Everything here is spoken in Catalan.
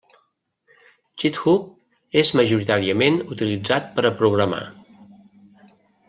GitHub és majoritàriament utilitzat per a programar.